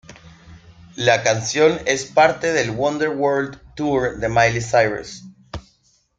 La canción es parte del Wonder World Tour de Miley Cyrus.